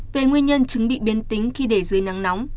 về nguyên nhân chứng bị biến tính khi để dưới nắng nóng